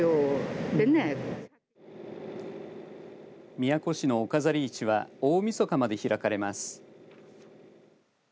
宮古市のお飾り市は大みそかまで開かれます。